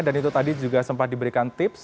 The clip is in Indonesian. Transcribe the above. dan itu tadi juga sempat diberikan tips